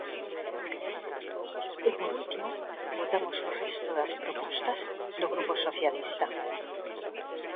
E, por último, votamos o resto das propostas do Grupo Socialista.